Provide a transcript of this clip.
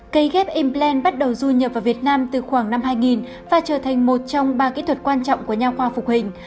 cây ghép implan bắt đầu du nhập vào việt nam từ khoảng năm hai nghìn và trở thành một trong ba kỹ thuật quan trọng của nhà khoa phục hình